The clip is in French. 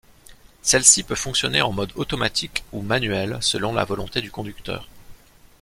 Celle-ci peut fonctionner en mode automatique ou manuel selon la volonté du conducteur.